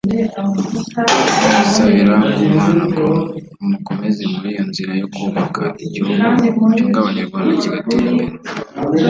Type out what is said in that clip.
tunamusabira ku Mana ngo imukomeze muri iyo nzira yo kubaka igihugu cyunga Abanyarwanda kigatera imbere